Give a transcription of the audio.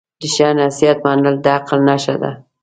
د ښه نصیحت منل د عقل نښه ده.